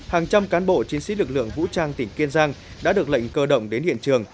hàng trăm cán bộ chiến sĩ lực lượng vũ trang tỉnh kiên giang đã được lệnh cơ động đến hiện trường